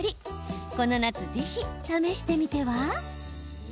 この夏、ぜひ試してみては？